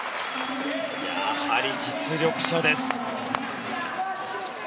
やはり実力者です。